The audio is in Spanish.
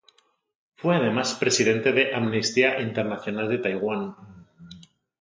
Fue además presidente de Amnistía Internacional de Taiwán.